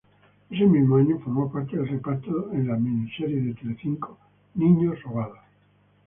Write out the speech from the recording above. Ese mismo año formó parte del reparto de la miniserie de Telecinco "Niños robados".